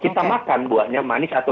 kita makan buahnya manis atau